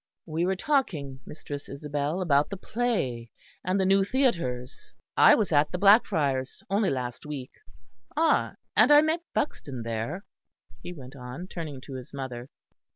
"We were talking, Mistress Isabel, about the play, and the new theatres. I was at the Blackfriars' only last week. Ah! and I met Buxton there," he went on, turning to his mother.